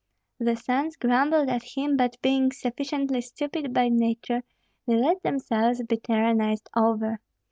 The sons grumbled at him, but being sufficiently stupid by nature they let themselves be tyrannized over.